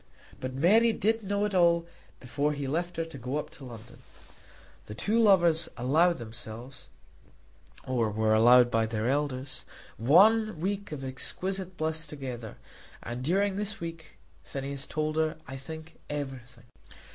But Mary did know it all before he left her to go up to Dublin. The two lovers allowed themselves, or were allowed by their elders, one week of exquisite bliss together; and during this week, Phineas told her, I think, everything.